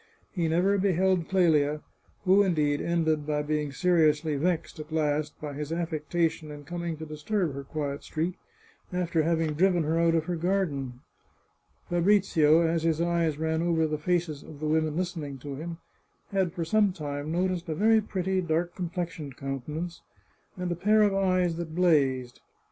He never be held Clelia, who, indeed, ended by being seriously vexed, at last, by his affectation in coming to disturb her quiet street, after having driven her out of her garden. Fabrizio, as his eyes ran over the faces of the women listening to him, had for some time noticed a very pretty dark complexioned countenance, and a pair of eyes that blazed.